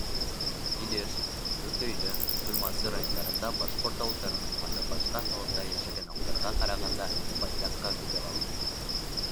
Илеш, Дүртөйлө, Туймазы райондарында башҡорт ауылдарының һаны башҡа халыҡтар йәшәгән ауылдарға ҡарағанда байтаҡҡа күберәк.